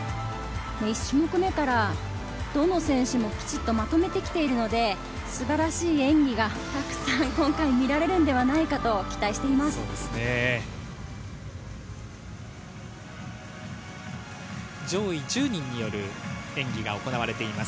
１種目目からどの選手もきちっとまとめてきているので、素晴らしい演技がたくさん今回も見られるのではないかと期待しています。